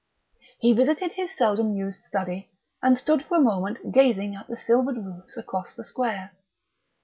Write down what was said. He visited his seldom used study, and stood for a moment gazing at the silvered roofs across the square.